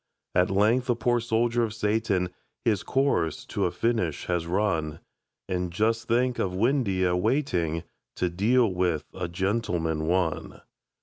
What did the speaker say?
At length the poor soldier of Satan His course to a finish has run And just think of Windeyer waiting To deal with "A Gentleman, One"!